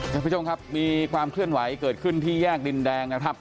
ท่านผู้ชมครับมีความเคลื่อนไหวเกิดขึ้นที่แยกดินแดงนะครับ